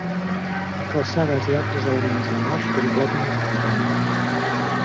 Calçades i altres elements menors completen el conjunt.